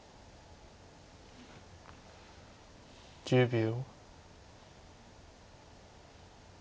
１０秒。